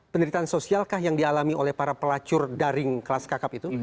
penderitaan sosialkah yang dialami oleh para pelacur daring kelas kakap itu